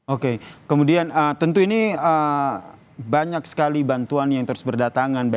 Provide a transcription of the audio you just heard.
oke kemudian tentu ini banyak sekali bantuan yang terus berdatangan